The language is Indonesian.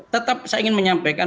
tetap saya ingin menyampaikan